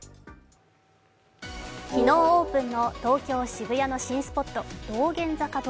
昨日オープンの東京・渋谷の新スポット、道玄坂通。